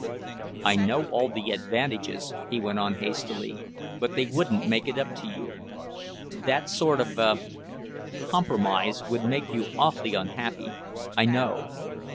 "I know all the advantages," he went on hastily, "but they wouldn't make it up to you. That sort of a compromise would make you awfully unhappy. I know."